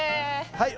はい。